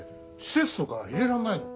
施設とか入れられないの？